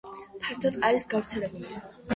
ფართოდ არის გავრცელებული.